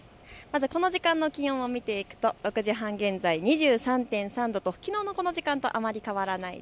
この時間の気温を見ていくと６時半現在、２３．３度ときのうのこの時間とあまり変わりません。